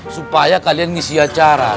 supaya kalian ngisi acara